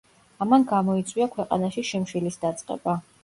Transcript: ამან გამოიწვია ქვეყანაში შიმშილის დაწყება.